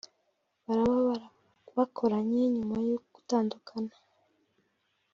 baraba bakoranye nyuma yo gutandukana